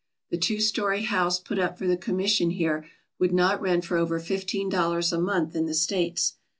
The two story house put up for the Commission here would not rent for over fifteen dollars a month in the States.